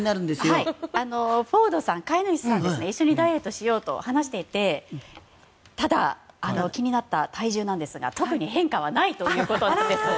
飼い主のフォードさんは一緒にダイエットしようと話していてただ、気になった体重なんですが特に変化はないということです。